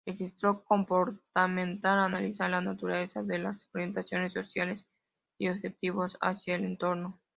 Registro comportamental: analiza la naturaleza de las orientaciones sociales y objetivos hacia el entorno.